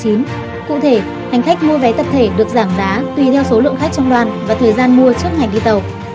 cụ thể hành khách mua vé tập thể được giảm giá tùy theo số lượng khách trong đoàn và thời gian mua trước ngày đi tàu